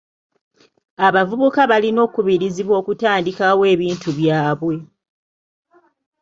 Abavubuka balina okukubirizibwa okutandikawo ebintu byabwe.